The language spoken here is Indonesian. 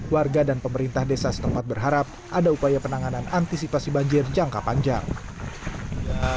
warga dan pemerintah desa setempat berharap ada upaya penanganan antisipasi banjir jangka panjang